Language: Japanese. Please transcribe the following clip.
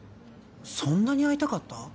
そんなに会いたかった？